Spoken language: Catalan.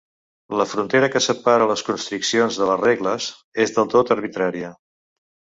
La frontera que separa les constriccions de les regles és del tot arbitrària.